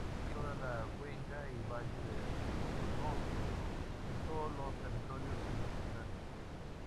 Es decir, toda la cuenca y valle del Rudrón y todos los territorios circundantes.